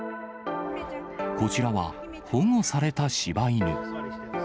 こちらは保護されたしば犬。